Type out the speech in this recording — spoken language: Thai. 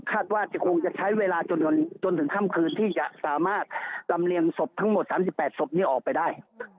ว่าจะคงจะใช้เวลาจนถึงค่ำคืนที่จะสามารถลำเลียงศพทั้งหมด๓๘ศพนี้ออกไปได้